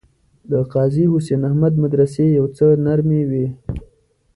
د قاضي حسین احمد مدرسې یو څه نرمې وې.